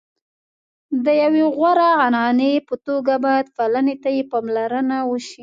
د یوې غوره عنعنې په توګه باید پالنې ته یې پاملرنه وشي.